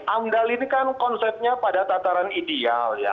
amdal ini kan konsepnya pada tataran ideal ya